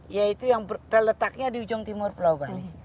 yaitu yang terletaknya di ujung timur pulau bali